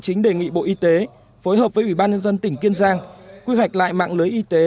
chính đề nghị bộ y tế phối hợp với ủy ban nhân dân tỉnh kiên giang quy hoạch lại mạng lưới y tế